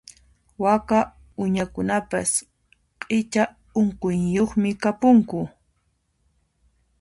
Waka uñakunapis q'icha unquyniyuqmi kapunku.